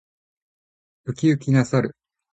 ウキウキな猿。